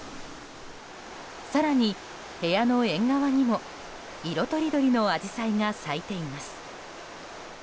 更に、部屋の縁側にも色とりどりのアジサイが咲いています。